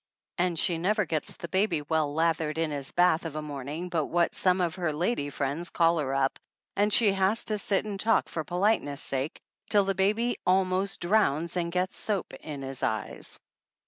And she never gets the baby well lathered in his bath of a morning but what some of her lady friends call her up and she has to sit and talk for polite ness' sake till the baby almost drowns and gets soap in his eyes.